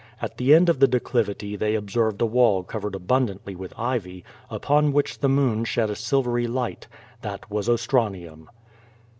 At the end of the declivity they observed a wall covered abundantly with ivy, upon which the moon shed a silvery light. That was Ostranium.